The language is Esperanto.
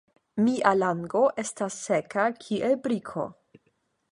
Mia lango estas seka kiel briko.